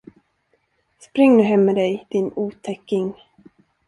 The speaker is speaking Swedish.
Spring nu hem med dig, din otäcking!